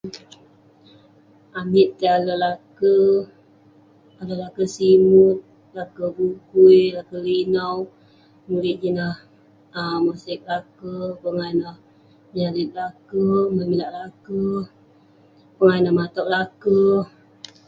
Amik tai alek laker, alek laker simut, laker bukui, laker linau.,mulik ijin ineh, mosek laker, pongah ineh..nyorit laker..memilak laker..pongah ineh matok laker..